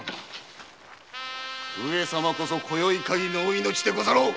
上様こそ今宵かぎりのお命でござろう！